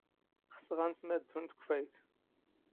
ⵅⵙⵖ ⴰⵏⵙⵎⴰⴷⴷⵓ ⵏ ⵜⴽⵯⴼⴰⵢⵜ.